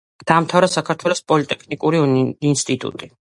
დაამთავრა საქართველოს პოლიტექნიკური ინსტიტუტი.